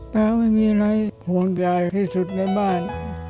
ไม่มีอะไรห่วงยายที่สุดในบ้าน